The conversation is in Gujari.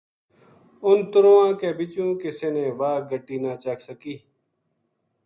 اُنھ ترواں کے بِچو کسے نے واہ گٹی نہ چک سکی